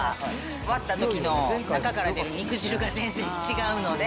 割ったときの中から出る肉汁が全然違うので。